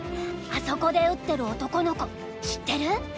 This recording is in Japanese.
あそこで打ってる男の子知ってる？